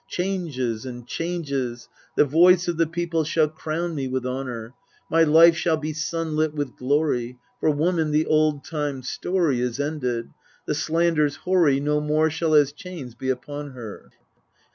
Changes and changes ! the voice of the people shall crown me with honour : My life shall be sunlit with glory ; for woman the old time story Is ended, the slanders hoary no more shall as chains be upon her.